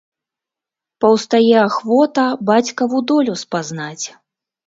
Паўстае ахвота бацькаву долю спазнаць.